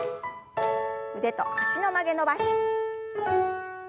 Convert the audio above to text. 腕と脚の曲げ伸ばし。